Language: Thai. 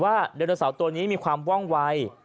ได้ถึงว่าแดนโนสาวตัวนี้มีความว่องวัย